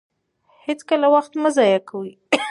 هېڅکله وخت مه ضایع کوئ.